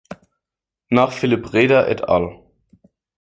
Nach Philipp Reder et al.